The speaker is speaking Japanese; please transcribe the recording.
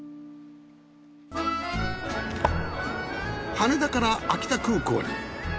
羽田から秋田空港へ。